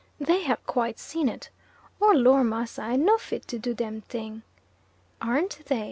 They have quite seen it. "Oh, Lor! massa, I no fit to do dem thing." Aren't they!